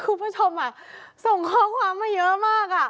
คุณผู้ชมส่งข้อความมาเยอะมาก